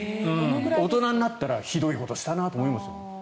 大人になったらひどいことしたなと思いますよ。